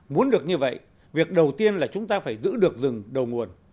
muốn được như vậy việc đầu tiên là chúng ta phải giữ được rừng đầu nguồn